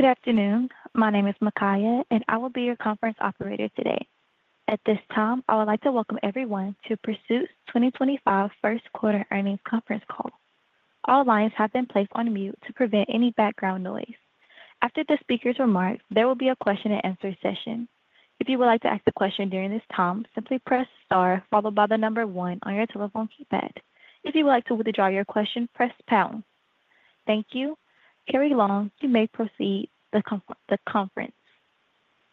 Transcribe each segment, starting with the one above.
Good afternoon. My name is Makaya, and I will be your conference operator today. At this time, I would like to welcome everyone to Pursuit's 2025 First Quarter Earnings Conference Call. All lines have been placed on mute to prevent any background noise. After the speaker's remarks, there will be a question-and-answer session. If you would like to ask a question during this time, simply press star followed by the number one on your telephone keypad. If you would like to withdraw your question, press pound. Thank you. Carrie Long, you may proceed to the conference.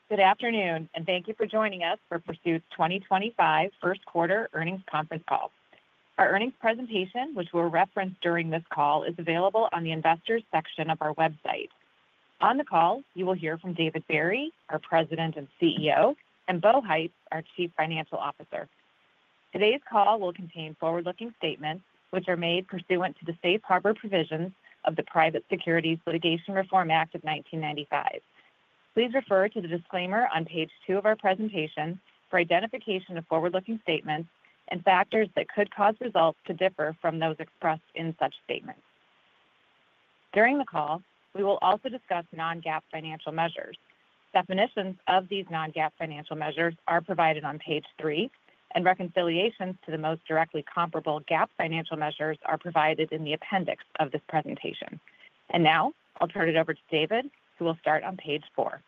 Good afternoon, and thank you for joining us for Pursuit's 2025 First Quarter Earnings Conference Call. Our earnings presentation, which we'll reference during this call, is available on the investors' section of our website. On the call, you will hear from David Berry, our President and CEO, and Bo Heitz, our Chief Financial Officer. Today's call will contain forward-looking statements which are made pursuant to the safe harbor provisions of the Private Securities Litigation Reform Act of 1995. Please refer to the disclaimer on page two of our presentation for identification of forward-looking statements and factors that could cause results to differ from those expressed in such statements. During the call, we will also discuss non-GAAP financial measures. Definitions of these non-GAAP financial measures are provided on page three, and reconciliations to the most directly comparable GAAP financial measures are provided in the appendix of this presentation. I'll turn it over to David, who will start on page four.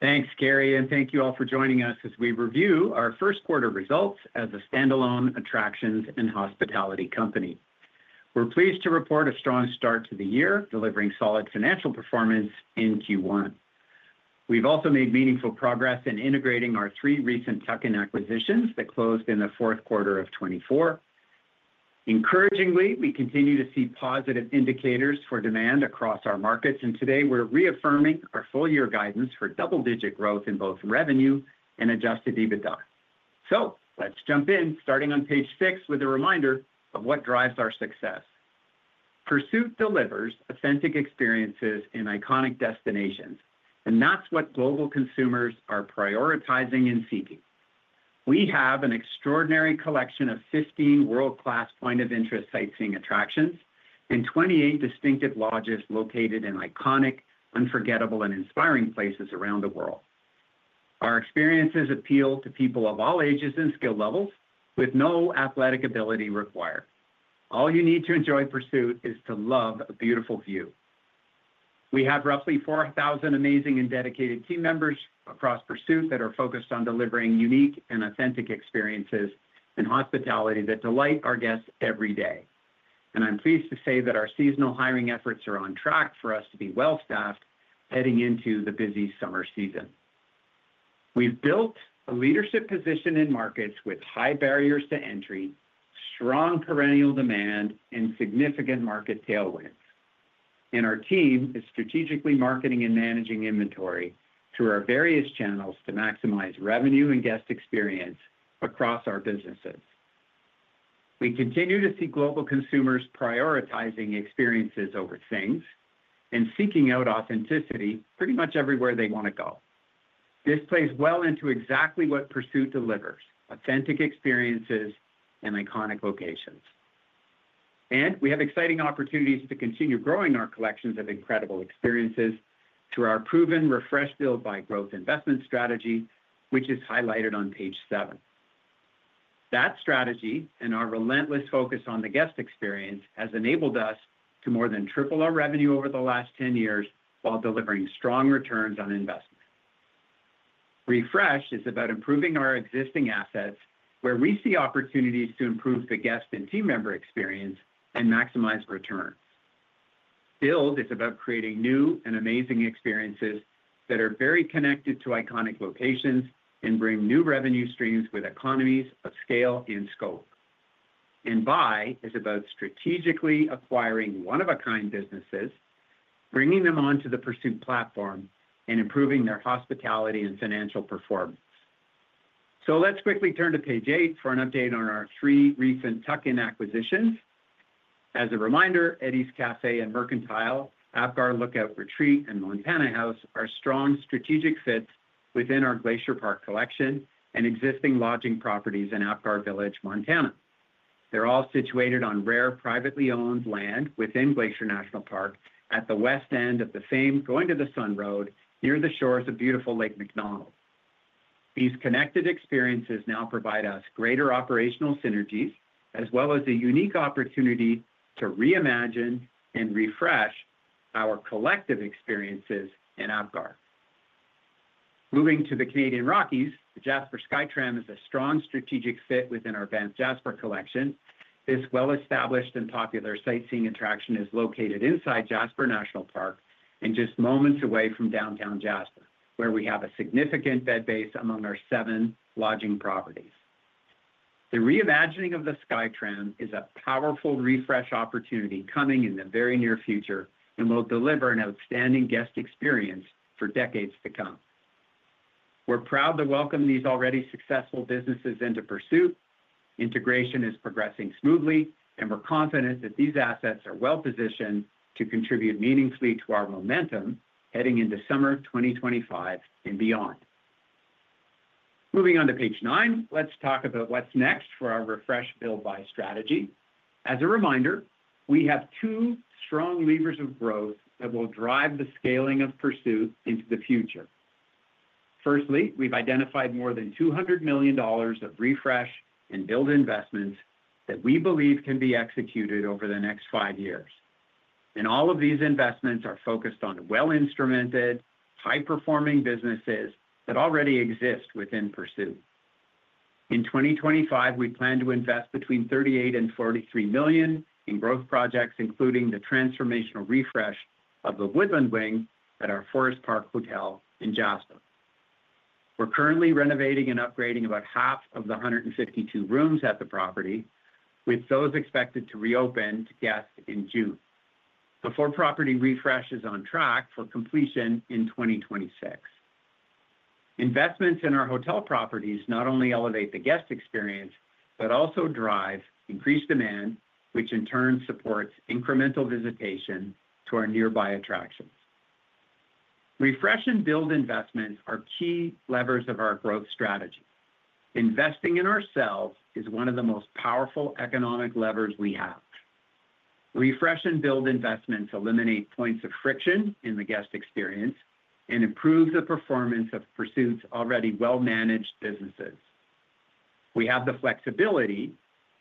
Thanks, Carrie, and thank you all for joining us as we review our first quarter results as a standalone attractions and hospitality company. We are pleased to report a strong start to the year, delivering solid financial performance in Q1. We have also made meaningful progress in integrating our three recent tuck-in acquisitions that closed in the fourth quarter of 2024. Encouragingly, we continue to see positive indicators for demand across our markets, and today we are reaffirming our full-year guidance for double-digit growth in both revenue and adjusted EBITDA. Let us jump in, starting on page six with a reminder of what drives our success. Pursuit delivers authentic experiences in iconic destinations, and that is what global consumers are prioritizing and seeking. We have an extraordinary collection of 15 world-class point-of-interest sightseeing attractions and 28 distinctive lodges located in iconic, unforgettable, and inspiring places around the world. Our experiences appeal to people of all ages and skill levels with no athletic ability required. All you need to enjoy Pursuit is to love a beautiful view. We have roughly 4,000 amazing and dedicated team members across Pursuit that are focused on delivering unique and authentic experiences and hospitality that delight our guests every day. I am pleased to say that our seasonal hiring efforts are on track for us to be well-staffed heading into the busy summer season. We have built a leadership position in markets with high barriers to entry, strong perennial demand, and significant market tailwinds. Our team is strategically marketing and managing inventory through our various channels to maximize revenue and guest experience across our businesses. We continue to see global consumers prioritizing experiences over things and seeking out authenticity pretty much everywhere they want to go. This plays well into exactly what Pursuit delivers: authentic experiences and iconic locations. We have exciting opportunities to continue growing our collections of incredible experiences through our proven refresh-filled-by-growth investment strategy, which is highlighted on page seven. That strategy and our relentless focus on the guest experience has enabled us to more than triple our revenue over the last 10 years while delivering strong returns on investment. Refresh is about improving our existing assets where we see opportunities to improve the guest and team member experience and maximize return. Build is about creating new and amazing experiences that are very connected to iconic locations and bring new revenue streams with economies of scale and scope. Buy is about strategically acquiring one-of-a-kind businesses, bringing them onto the Pursuit platform, and improving their hospitality and financial performance. Let's quickly turn to page eight for an update on our three recent tuck-in acquisitions. As a reminder, Eddie's Café and Mercantile, Apgar Lookout Retreat, and Montana House are strong strategic fits within our Glacier Park collection and existing lodging properties in Apgar Village, Montana. They're all situated on rare privately owned land within Glacier National Park at the west end of the same Going to the Sun Road near the shores of beautiful Lake McDonald. These connected experiences now provide us greater operational synergies as well as a unique opportunity to reimagine and refresh our collective experiences in Apgar. Moving to the Canadian Rockies, the Jasper SkyTram is a strong strategic fit within our Banff Jasper collection. This well-established and popular sightseeing attraction is located inside Jasper National Park and just moments away from downtown Jasper, where we have a significant bed base among our seven lodging properties. The reimagining of the SkyTram is a powerful refresh opportunity coming in the very near future and will deliver an outstanding guest experience for decades to come. We're proud to welcome these already successful businesses into Pursuit. Integration is progressing smoothly, and we're confident that these assets are well-positioned to contribute meaningfully to our momentum heading into summer 2025 and beyond. Moving on to page nine, let's talk about what's next for our refresh-filled-by strategy. As a reminder, we have two strong levers of growth that will drive the scaling of Pursuit into the future. Firstly, we've identified more than $200 million of refresh and build investments that we believe can be executed over the next five years. All of these investments are focused on well-instrumented, high-performing businesses that already exist within Pursuit. In 2025, we plan to invest between $38 million and $43 million in growth projects, including the transformational refresh of the Woodland Wing at our Forest Park Hotel in Jasper. We're currently renovating and upgrading about half of the 152 rooms at the property, with those expected to reopen to guests in June before property refresh is on track for completion in 2026. Investments in our hotel properties not only elevate the guest experience but also drive increased demand, which in turn supports incremental visitation to our nearby attractions. Refresh and build investments are key levers of our growth strategy. Investing in ourselves is one of the most powerful economic levers we have. Refresh and build investments eliminate points of friction in the guest experience and improve the performance of Pursuit's already well-managed businesses. We have the flexibility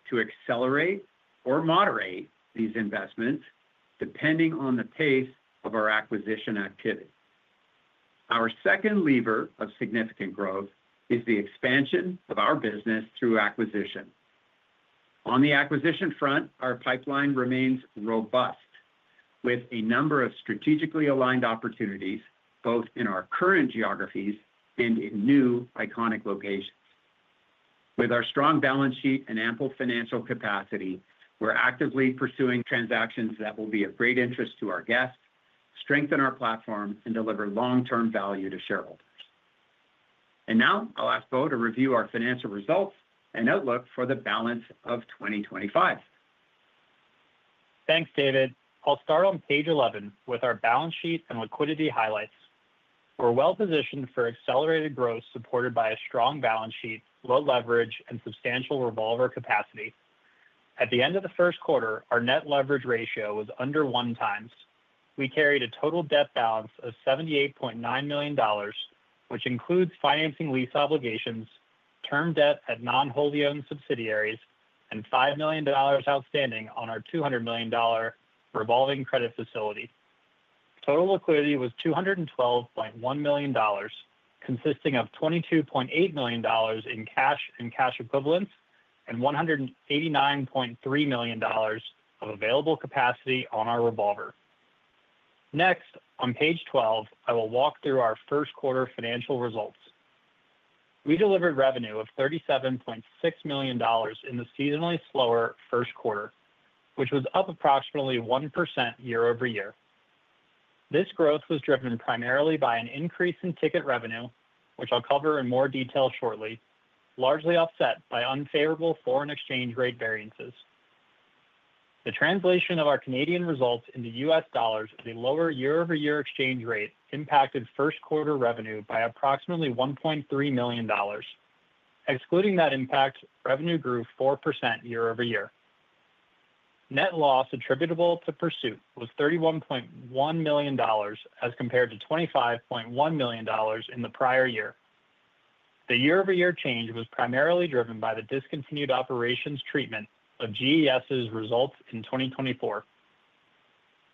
to accelerate or moderate these investments depending on the pace of our acquisition activity. Our second lever of significant growth is the expansion of our business through acquisition. On the acquisition front, our pipeline remains robust with a number of strategically aligned opportunities both in our current geographies and in new iconic locations. With our strong balance sheet and ample financial capacity, we're actively pursuing transactions that will be of great interest to our guests, strengthen our platform, and deliver long-term value to shareholders. Now, I'll ask Bo to review our financial results and outlook for the balance of 2025. Thanks, David. I'll start on page 11 with our balance sheet and liquidity highlights. We're well-positioned for accelerated growth supported by a strong balance sheet, low leverage, and substantial revolver capacity. At the end of the first quarter, our net leverage ratio was under one times. We carried a total debt balance of $78.9 million, which includes financing lease obligations, term debt at non-holding owned subsidiaries, and $5 million outstanding on our $200 million revolving credit facility. Total liquidity was $212.1 million, consisting of $22.8 million in cash and cash equivalents and $189.3 million of available capacity on our revolver. Next, on page 12, I will walk through our first quarter financial results. We delivered revenue of $37.6 million in the seasonally slower first quarter, which was up approximately 1% year over year. This growth was driven primarily by an increase in ticket revenue, which I'll cover in more detail shortly, largely offset by unfavorable foreign exchange rate variances. The translation of our Canadian results into US dollars is a lower year-over-year exchange rate impacted first quarter revenue by approximately $1.3 million. Excluding that impact, revenue grew 4% year over year. Net loss attributable to Pursuit was $31.1 million as compared to $25.1 million in the prior year. The year-over-year change was primarily driven by the discontinued operations treatment of GES's results in 2024.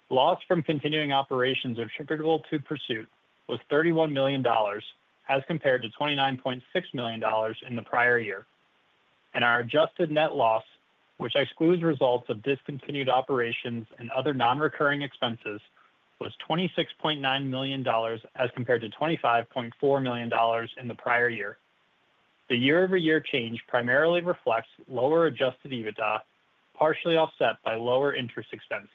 Loss from continuing operations attributable to Pursuit was $31 million as compared to $29.6 million in the prior year. Our adjusted net loss, which excludes results of discontinued operations and other non-recurring expenses, was $26.9 million as compared to $25.4 million in the prior year. The year-over-year change primarily reflects lower adjusted EBITDA, partially offset by lower interest expense.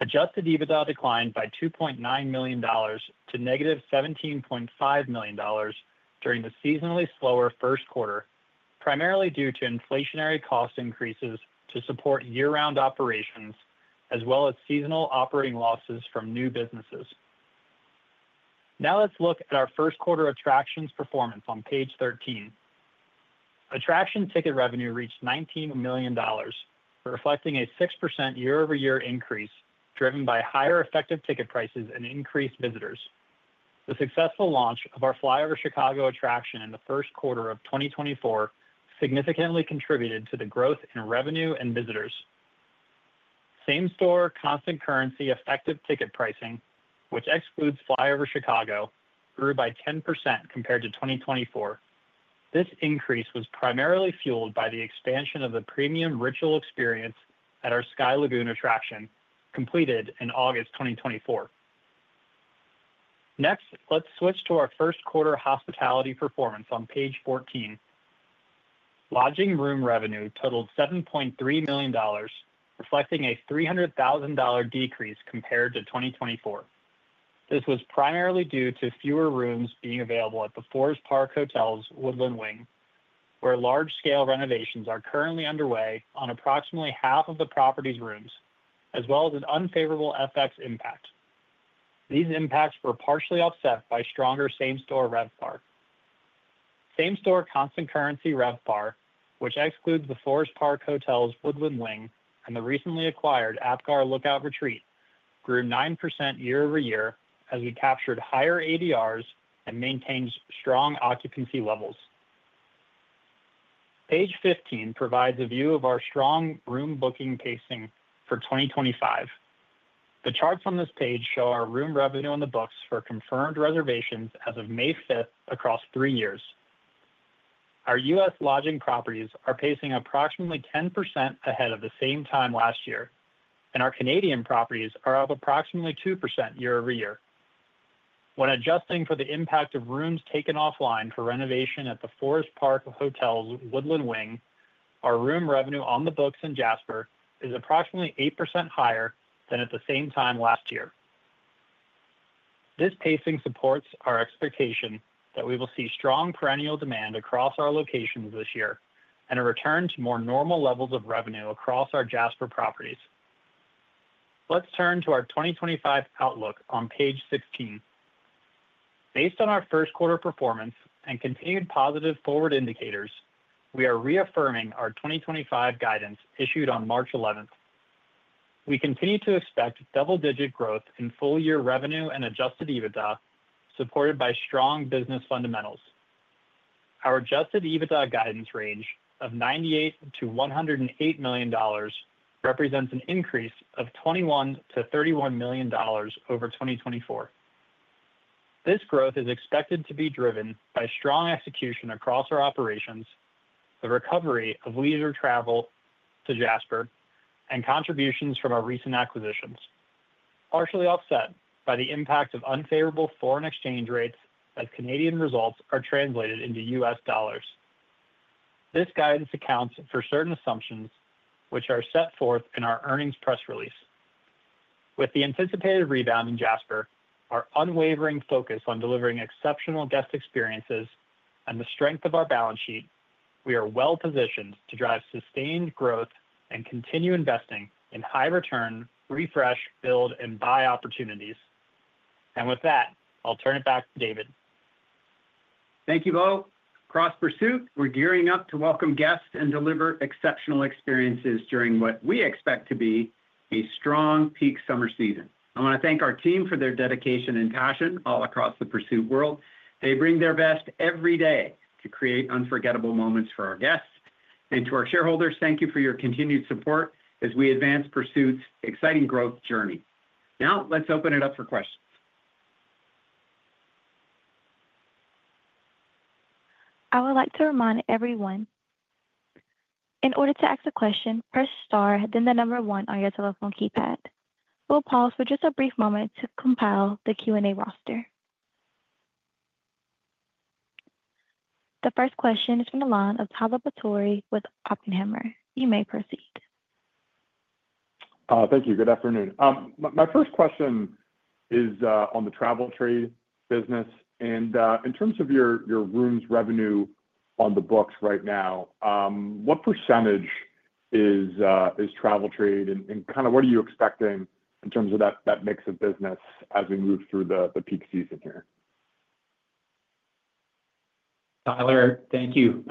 Adjusted EBITDA declined by $2.9 million to negative $17.5 million during the seasonally slower first quarter, primarily due to inflationary cost increases to support year-round operations as well as seasonal operating losses from new businesses. Now, let's look at our first quarter attractions performance on page 13. Attraction ticket revenue reached $19 million, reflecting a 6% year-over-year increase driven by higher effective ticket prices and increased visitors. The successful launch of our Flyover Chicago attraction in the first quarter of 2024 significantly contributed to the growth in revenue and visitors. Same-store constant currency effective ticket pricing, which excludes Flyover Chicago, grew by 10% compared to 2024. This increase was primarily fueled by the expansion of the premium ritual experience at our Sky Lagoon attraction completed in August 2024. Next, let's switch to our first quarter hospitality performance on page 14. Lodging room revenue totaled $7.3 million, reflecting a $300,000 decrease compared to 2024. This was primarily due to fewer rooms being available at the Forest Park Hotel's Woodland Wing, where large-scale renovations are currently underway on approximately half of the property's rooms, as well as an unfavorable FX impact. These impacts were partially offset by stronger same-store RevPAR. Same-store constant currency RevPAR, which excludes the Forest Park Hotel's Woodland Wing and the recently acquired Apgar Lookout Retreat, grew 9% year over year as we captured higher ADRs and maintained strong occupancy levels. Page 15 provides a view of our strong room booking pacing for 2025. The charts on this page show our room revenue on the books for confirmed reservations as of May 5th across three years. Our U.S. lodging properties are pacing approximately 10% ahead of the same time last year, and our Canadian properties are up approximately 2% year over year. When adjusting for the impact of rooms taken offline for renovation at the Forest Park Hotel's Woodland Wing, our room revenue on the books in Jasper is approximately 8% higher than at the same time last year. This pacing supports our expectation that we will see strong perennial demand across our locations this year and a return to more normal levels of revenue across our Jasper properties. Let's turn to our 2025 outlook on page 16. Based on our first quarter performance and continued positive forward indicators, we are reaffirming our 2025 guidance issued on March 11th. We continue to expect double-digit growth in full-year revenue and adjusted EBITDA supported by strong business fundamentals. Our adjusted EBITDA guidance range of $98-$108 million represents an increase of $21-$31 million over 2024. This growth is expected to be driven by strong execution across our operations, the recovery of leisure travel to Jasper, and contributions from our recent acquisitions, partially offset by the impact of unfavorable foreign exchange rates as Canadian results are translated into US dollars. This guidance accounts for certain assumptions, which are set forth in our earnings press release. With the anticipated rebound in Jasper, our unwavering focus on delivering exceptional guest experiences and the strength of our balance sheet, we are well-positioned to drive sustained growth and continue investing in high-return refresh, build, and buy opportunities. I'll turn it back to David. Thank you, Bo. Across Pursuit, we're gearing up to welcome guests and deliver exceptional experiences during what we expect to be a strong peak summer season. I want to thank our team for their dedication and passion all across the Pursuit world. They bring their best every day to create unforgettable moments for our guests. To our shareholders, thank you for your continued support as we advance Pursuit's exciting growth journey. Now, let's open it up for questions. I would like to remind everyone, in order to ask a question, press star, then the number one on your telephone keypad. We'll pause for just a brief moment to compile the Q&A roster. The first question is from the line of Tyler Batory with Oppenheimer. You may proceed. Thank you. Good afternoon. My first question is on the travel trade business. In terms of your rooms revenue on the books right now, what percentage is travel trade and kind of what are you expecting in terms of that mix of business as we move through the peak season here? Tyler, thank you.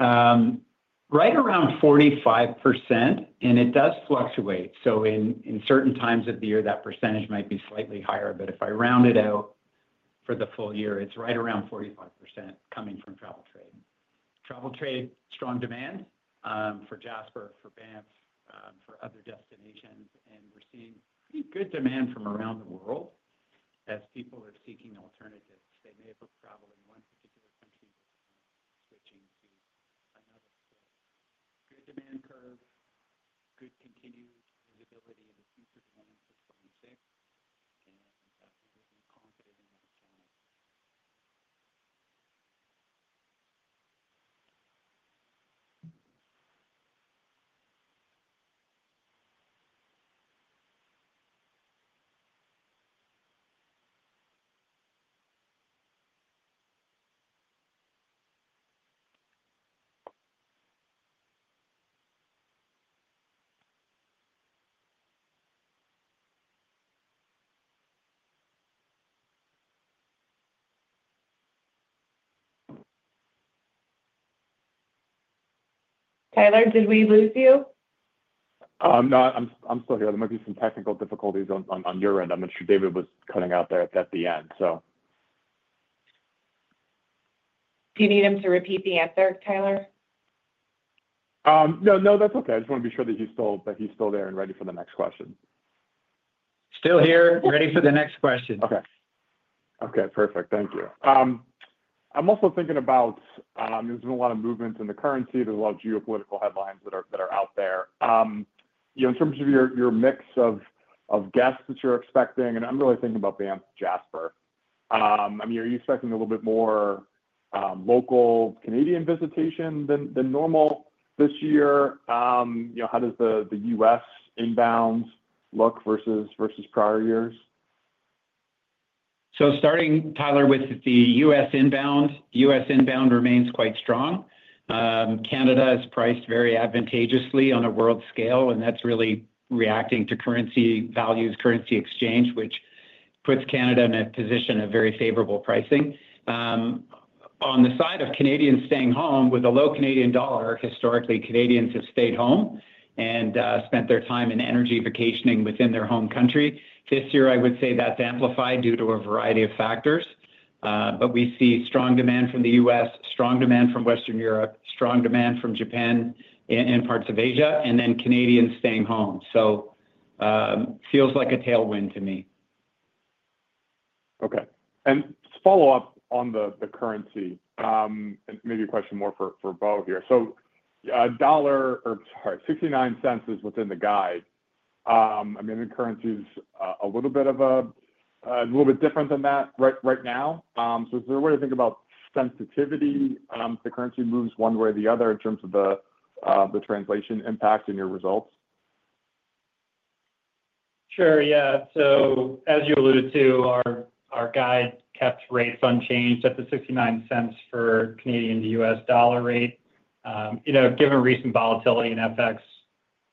Right around 45%, and it does fluctuate. In certain times of the year, that percentage might be slightly higher, but if I round it out for the full year, it is right around 45% coming from travel trade. Travel trade, strong demand for Jasper, for Banff, for other destinations, and we are seeing pretty good demand from around the world as people are seeking alternatives. They may have traveled in one particular country and are switching to another. Good demand curve, good continued visibility in the future demand for 2026, and we are confident in that challenge. Tyler, did we lose you? I'm not. I'm still here. There might be some technical difficulties on your end. I'm not sure David was cutting out there at the end, so. Do you need him to repeat the answer, Tyler? No, no, that's okay. I just want to be sure that he's still there and ready for the next question. Still here, ready for the next question. Okay. Okay, perfect. Thank you. I'm also thinking about there's been a lot of movements in the currency. There's a lot of geopolitical headlines that are out there. In terms of your mix of guests that you're expecting, and I'm really thinking about Banff, Jasper. I mean, are you expecting a little bit more local Canadian visitation than normal this year? How does the U.S. inbound look versus prior years? Starting, Tyler, with the U.S. inbound, U.S. inbound remains quite strong. Canada is priced very advantageously on a world scale, and that's really reacting to currency values, currency exchange, which puts Canada in a position of very favorable pricing. On the side of Canadians staying home with a low Canadian dollar, historically, Canadians have stayed home and spent their time and energy vacationing within their home country. This year, I would say that's amplified due to a variety of factors, but we see strong demand from the U.S., strong demand from Western Europe, strong demand from Japan and parts of Asia, and then Canadians staying home. It feels like a tailwind to me. Okay. To follow up on the currency, maybe a question more for Bo here. A dollar or, sorry, $0.69 is within the guide. I mean, I think currency is a little bit different than that right now. Is there a way to think about sensitivity if the currency moves one way or the other in terms of the translation impact in your results? Sure, yeah. As you alluded to, our guide kept rate fund changed at the $0.69 for Canadian to U.S. dollar rate. Given recent volatility in FX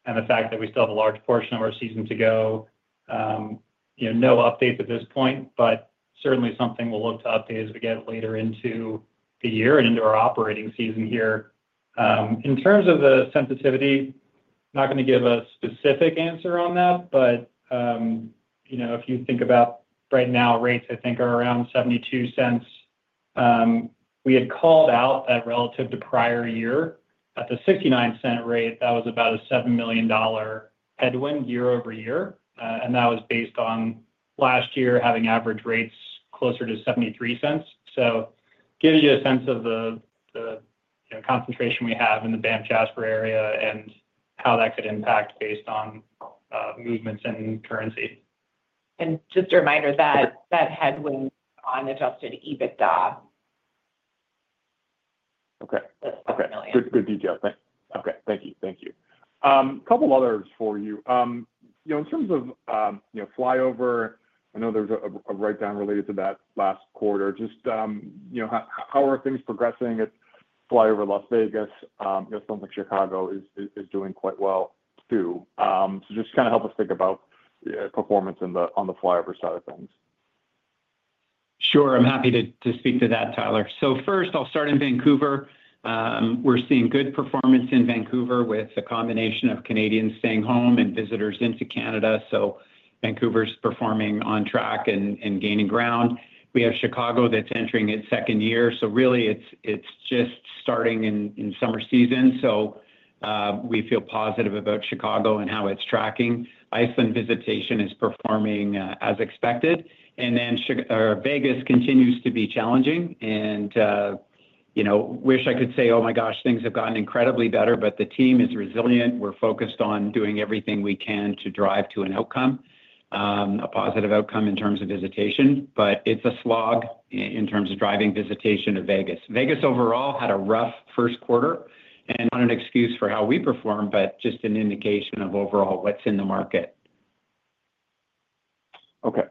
and the fact that we still have a large portion of our season to go, no updates at this point, but certainly something we'll look to update as we get later into the year and into our operating season here. In terms of the sensitivity, I'm not going to give a specific answer on that, but if you think about right now, rates, I think, are around $0.72. We had called out that relative to prior year. At the $0.69 rate, that was about a $7 million headwind year over year, and that was based on last year having average rates closer to $0.73. It gives you a sense of the concentration we have in the Banff-Jasper area and how that could impact based on movements in currency. Just a reminder that that headwind on adjusted EBITDA. Okay. Good detail. Thank you. A couple of others for you. In terms of Flyover, I know there's a write-down related to that last quarter. Just how are things progressing at Flyover Las Vegas? It sounds like Chicago is doing quite well too. Just kind of help us think about performance on the Flyover side of things. Sure. I'm happy to speak to that, Tyler. First, I'll start in Vancouver. We're seeing good performance in Vancouver with a combination of Canadians staying home and visitors into Canada. Vancouver's performing on track and gaining ground. We have Chicago that's entering its second year. Really, it's just starting in summer season. We feel positive about Chicago and how it's tracking. Iceland visitation is performing as expected. Vegas continues to be challenging. I wish I could say, "Oh my gosh, things have gotten incredibly better," but the team is resilient. We're focused on doing everything we can to drive to an outcome, a positive outcome in terms of visitation, but it's a slog in terms of driving visitation to Vegas. Vegas overall had a rough first quarter, and not an excuse for how we perform, but just an indication of overall what's in the market. Okay.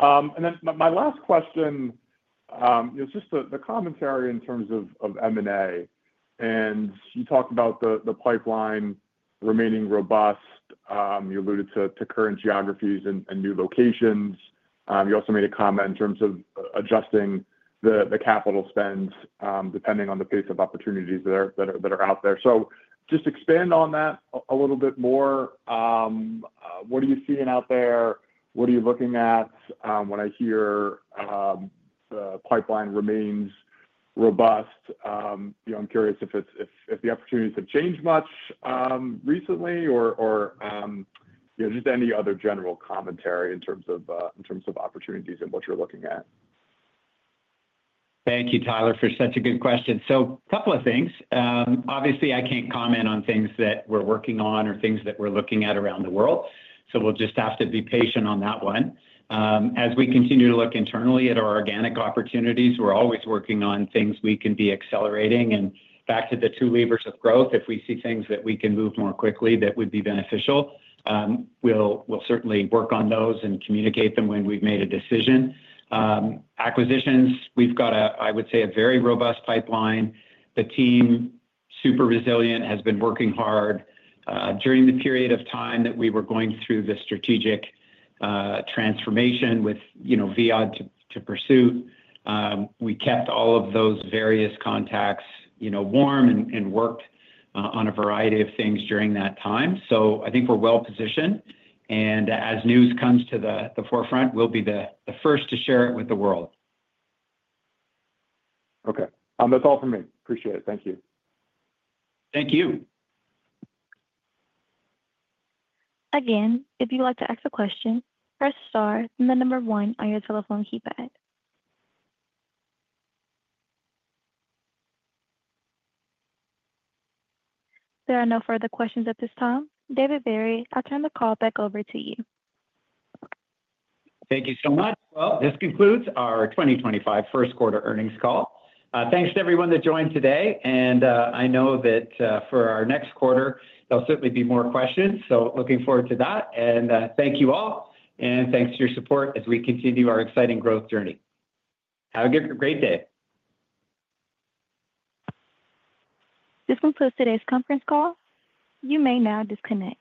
And then my last question is just the commentary in terms of M&A. You talked about the pipeline remaining robust. You alluded to current geographies and new locations. You also made a comment in terms of adjusting the capital spends depending on the pace of opportunities that are out there. Just expand on that a little bit more. What are you seeing out there? What are you looking at when I hear the pipeline remains robust? I'm curious if the opportunities have changed much recently or just any other general commentary in terms of opportunities and what you're looking at. Thank you, Tyler, for such a good question. A couple of things. Obviously, I can't comment on things that we're working on or things that we're looking at around the world. We'll just have to be patient on that one. As we continue to look internally at our organic opportunities, we're always working on things we can be accelerating. Back to the two levers of growth, if we see things that we can move more quickly that would be beneficial, we'll certainly work on those and communicate them when we've made a decision. Acquisitions, we've got, I would say, a very robust pipeline. The team, super resilient, has been working hard. During the period of time that we were going through the strategic transformation with Via to Pursuit, we kept all of those various contacts warm and worked on a variety of things during that time. I think we're well-positioned. As news comes to the forefront, we'll be the first to share it with the world. Okay. That's all for me. Appreciate it. Thank you. Thank you. Again, if you'd like to ask a question, press star and the number one on your telephone keypad. There are no further questions at this time. David Berry, I'll turn the call back over to you. Thank you so much. This concludes our 2025 first quarter earnings call. Thanks to everyone that joined today. I know that for our next quarter, there will certainly be more questions. Looking forward to that. Thank you all, and thanks for your support as we continue our exciting growth journey. Have a great day. This concludes today's conference call. You may now disconnect.